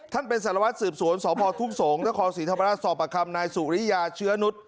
ท่านเป็นสารวัตรสืบสวนสพทุ่งสงศ์นครศรีธรรมราชสอบประคำนายสุริยาเชื้อนุษย